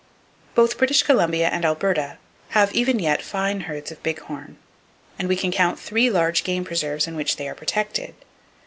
Both British Columbia and Alberta have even yet fine herds of big horn, and we can count three large game preserves in which they are protected.